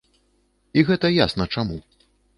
І гэта ясна чаму.